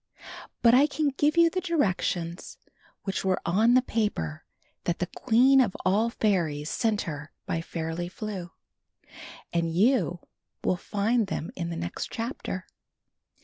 But I can give you the directions which were on the paper that the Queen of All Fairies sent her by Fairly Flew, and you will find them in the next chapter.